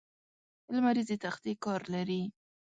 لمریزې تختې کار لري.